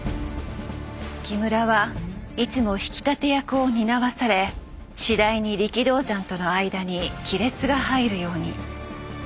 木村はいつも引き立て役を担わされ次第に力道山との間に亀裂が入るように。